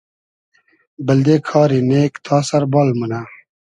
بئلدې کاری نېگ تا سئر بال مونۂ